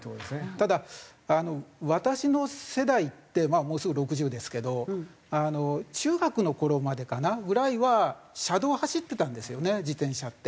ただ私の世代ってもうすぐ６０ですけど中学の頃までかなぐらいは車道走ってたんですよね自転車って。